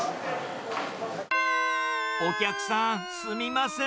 お客さん、すみません。